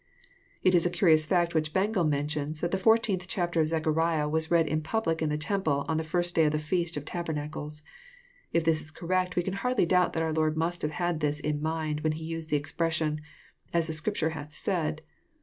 It is a curious fkct which Bengel mentions, that the 14th chapter of Zechariah was read in public in the temple, on the first day of the feast of tabernacles. If this is correct we can hardly doubt that our Lord must have had this in mind when He used the expression, '' As the Scripture hath said."